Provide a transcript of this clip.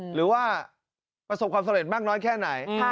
หรือว่าประสบความสำเร็จมากน้อยแค่ไหน